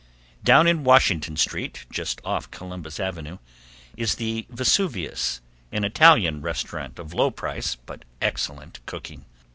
Down in Washington street, just off Columbus avenue, is the Vesuvius, an Italian restaurant of low price, but excellent cooking.